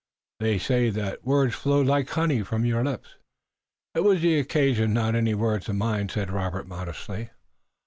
They say that words flowed like honey from your lips." "It was the occasion, not any words of mine," said Robert modestly.